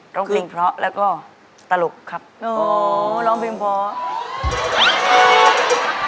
ร้องเพลงเพราะแล้วก็ตลกครับโหร้องเพลงเพราะ